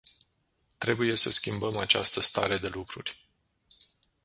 Trebuie să schimbăm această stare de lucruri.